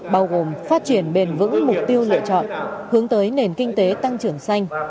bao gồm phát triển bền vững mục tiêu lựa chọn hướng tới nền kinh tế tăng trưởng xanh